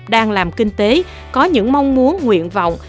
đang làm kinh tế có những mong muốn nguyện vọng